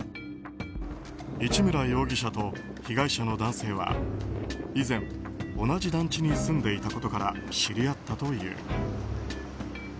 市村容疑者と被害者の男性は以前、同じ団地に住んでいたことから知り合ったという。